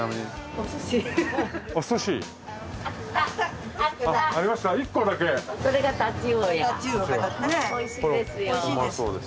おいしいです。